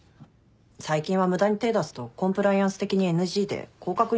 最近は無駄に手出すとコンプライアンス的にＮＧで降格になるんだって。